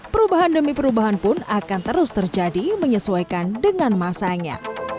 perubahan demi perubahan pun akan terus terjadi menyesuaikan dengan masanya